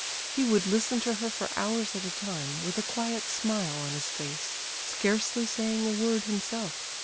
He would listen to her for hours at a time with a quiet smile on his face, scarcely saying a word himself.